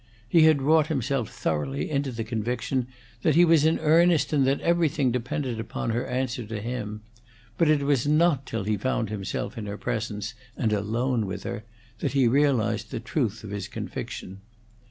He had wrought himself thoroughly into the conviction that he was in earnest, and that everything depended upon her answer to him, but it was not till he found himself in her presence, and alone with her, that he realized the truth of his conviction.